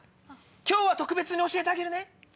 今日は特別に教えてあげるね。